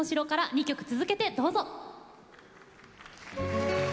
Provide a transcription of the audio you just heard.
２曲続けて、どうぞ。